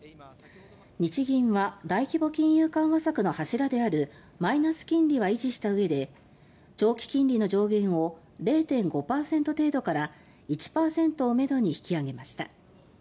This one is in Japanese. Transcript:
日銀は大規模金融緩和策の柱であるマイナス金利は維持した上で長期金利の上限を０．５％程度から１％をめどに引き上げました。